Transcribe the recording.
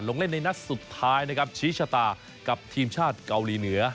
เล่นในนัดสุดท้ายนะครับชี้ชะตากับทีมชาติเกาหลีเหนือ